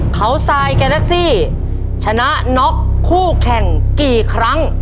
เขาทรายแกแท็กซี่ชนะน็อกคู่แข่งกี่ครั้ง